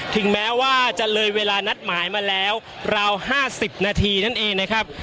ถึงแม้ว่าจะเลยเวลานัดหมายมาแล้วราว๕๐นาทีนั่นเองนะครับ